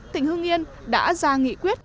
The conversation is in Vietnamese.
tỉnh hưng yên đã ra nghị quyết